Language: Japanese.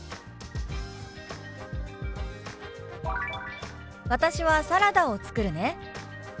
「私はサラダを作るね」。